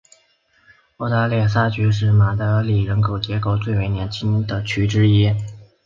欧达列萨区是马德里人口结构最为年轻的区之一。